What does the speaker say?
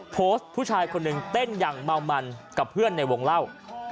ผู้ชายคนหนึ่งเต้นอย่างเมามันกับเพื่อนในวงเล่า